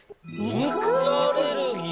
肉アレルギー？